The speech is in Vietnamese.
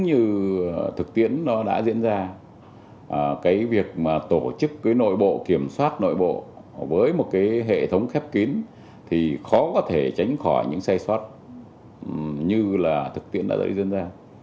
như thực tiễn nó đã diễn ra cái việc mà tổ chức cái nội bộ kiểm soát nội bộ với một cái hệ thống khép kín thì khó có thể tránh khỏi những sai sót như là thực tiễn đã dân ra